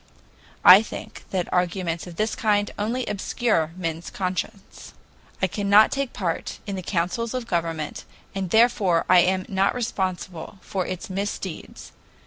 I think that arguments of this kind only obscure men's conscience. I cannot take part in the councils of government, and therefore I am not responsible for its misdeeds..